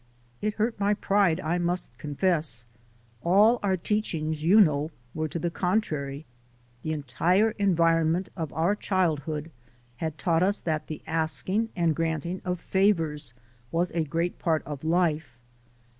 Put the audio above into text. It hurt my pride, I must confess. All our teachings, you know, were to the contrary ; the entire environment of our childhood had taught us that the asking and granting of favors was a great part of life.